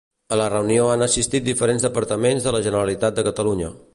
A la reunió han assistit diferents departaments de la Generalitat de Catalunya.